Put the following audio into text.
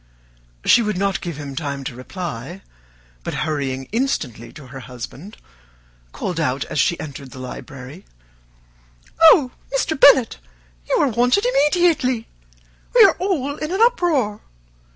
She would not give him time to reply, but hurrying instantly to her husband, called out, as she entered the library, "Oh, Mr. Bennet, you are wanted immediately; we are all in an uproar.